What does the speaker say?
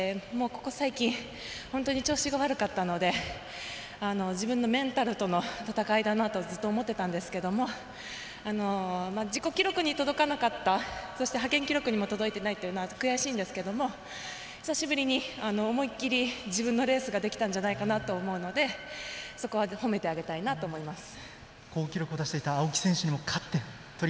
ここ最近本当に調子が悪かったので自分のメンタルとの闘いだなとずっと思ってたんですけど自己記録に届かなかったそして派遣記録に届いていなかったのは悔しいんですけども久しぶりに思いっきり自分のレースができたんじゃないかなと思うのでそこは褒めてあげたいなと思います。